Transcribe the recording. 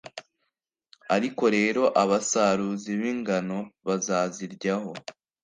ariko rero, abasaruzi b’ingano bazaziryaho,